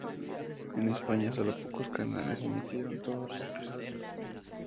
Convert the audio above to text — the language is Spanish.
En España solo pocos canales emitieron todos los episodios.